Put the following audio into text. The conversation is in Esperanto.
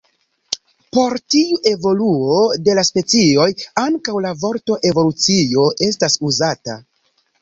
Por tiu evoluo de la specioj ankaŭ la vorto "evolucio" estas uzata.